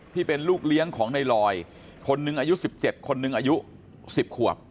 ที่เป็นลูกเลี้ยงของในลอยคนหนึ่งอายุ๑๗คนหนึ่งอายุ๑๐ขวบ